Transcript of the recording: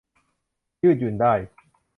ยืดหยุ่นได้